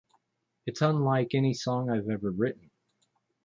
It's unlike any song I've ever written.